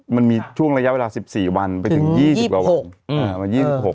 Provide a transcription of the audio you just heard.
มันมีช่วงระยะเวลาสิบสี่วันไปถึงยี่สิบหกอืมอ่ามันยี่สิบหก